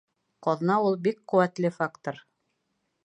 Ҡаҙна ул бик ҡеүәтле фактор.